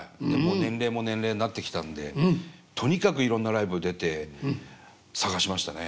年齢も年齢になってきたんでとにかくいろんなライブ出て探しましたね。